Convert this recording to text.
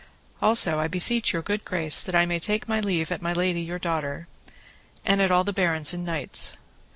Also I beseech your good grace that I may take my leave at my lady, your daughter, and at all the barons and knights.